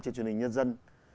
trên truyền hình nhân dân